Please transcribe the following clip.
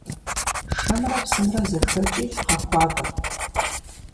Шэмрэ псымрэ зэхэкӀи гъэхуабэ.